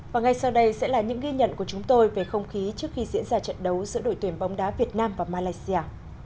và ngay sau đây sẽ là những ghi nhận của chúng tôi về không khí trước khi diễn ra trận đấu giữa đội tuyển bóng đá việt nam và malaysia